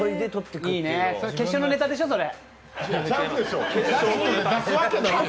いいね、決勝のネタでしょうそれ？